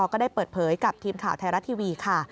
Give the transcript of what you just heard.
ก็ได้เปิดเผยกับทีมข่าวไทยรัฐทีวีค่ะ